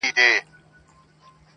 او پر لار د طویلې یې برابر کړ!.